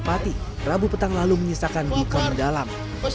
pati rabu petang lalu menyisakan buka mendalam